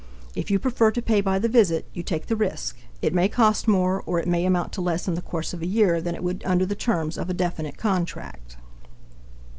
If you prefer to pay by the visit, you take the risk; it may cost more, or it may amount to less in the course of a year than it would under the terms of a definite contract.